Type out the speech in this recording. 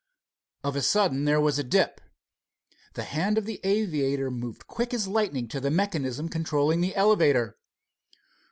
Of a sudden there was a dip. The hand of the aviator moved quick as lightning to the mechanism controlling the elevator.